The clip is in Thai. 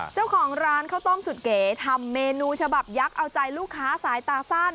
เจ้าของร้านข้าวต้มสุดเก๋ทำเมนูฉบับยักษ์เอาใจลูกค้าสายตาสั้น